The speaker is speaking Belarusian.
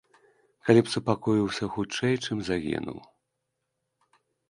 Калі б супакоіўся хутчэй, чым загінуў.